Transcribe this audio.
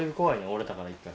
折れたから１回。